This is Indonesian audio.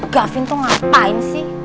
gaafin tuh ngapain sih